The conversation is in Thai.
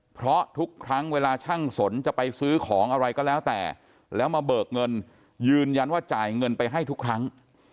เพราะทุกครั้งเวลาช่างสนจะไปซื้อของอะไรก็แล้วแต่แล้วมาเบิกเงินยืนยันว่าจ่ายเงินไปให้ทุกครั้ง